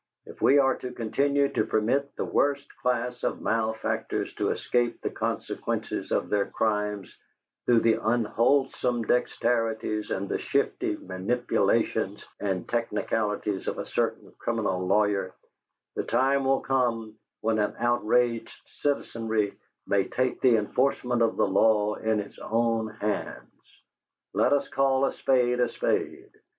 If we are to continue to permit the worst class of malefactors to escape the consequences of their crimes through the unwholesome dexterities and the shifty manipulations and technicalities of a certain criminal lawyer, the time will come when an outraged citizenry may take the enforcement of the law in its own hands. Let us call a spade a spade.